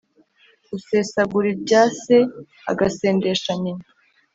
Usesagura ibya se agasendesha nyina